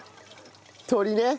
鶏ね。